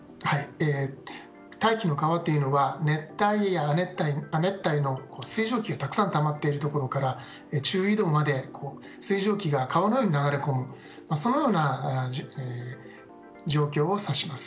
大気の川というのは、亜熱帯の水蒸気がたくさんたまっているところから中緯度まで水蒸気が川のように流れ込むそのような状況を指します。